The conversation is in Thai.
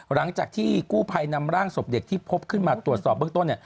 หลังจากที่กู้ภัยนำร่างศพเด็กที่พบขึ้นมาตรวจสอบเบื้องต้น